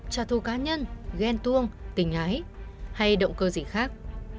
trả thù cá nhân ghen tuông tình ái hay động cơ gì khác